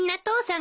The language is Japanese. ん？